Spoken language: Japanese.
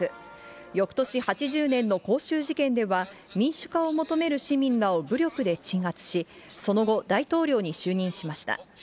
よくとし８０年の光州事件では、民主化を求める市民らを武力で鎮圧し、その後、大統領に就任しました。